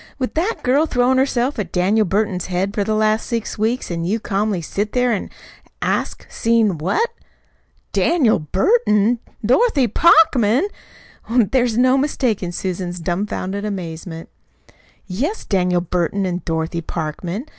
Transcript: With that girl throwin' herself at Daniel Burton's head for the last six weeks, an' you calmly set there an' ask 'seen what?'!" "Daniel Burton Dorothy Parkman!" There was no mistaking Susan's dumfounded amazement. "Yes, Daniel Burton an' Dorothy Parkman.